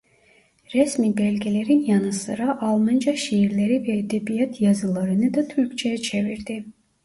Resmi belgelerin yanı sıra Almanca şiirleri ve edebiyat yazılarını da Türkçeye çevirdi.